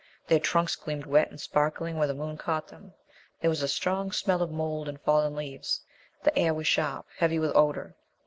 Their trunks gleamed wet and sparkling where the moon caught them. There was a strong smell of mould and fallen leaves. The air was sharp heavy with odor.